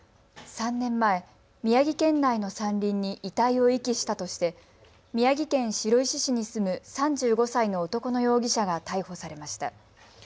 ３年前、宮城県内の山林に遺体を遺棄したとして宮城県白石市に住む３５歳の男の容疑者が逮捕されました。